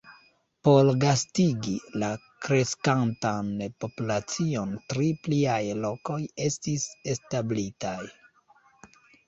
Por gastigi la kreskantan populacion tri pliaj lokoj estis establitaj.